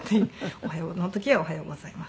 「おはよう」の時は「おはようございます」。